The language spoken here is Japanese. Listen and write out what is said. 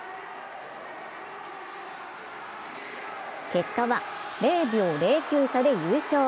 結果は０秒０９差で優勝。